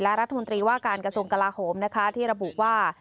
และรัฐมนตรีว่าการกระทรวงกลาโหมนะคะที่ระบุว่า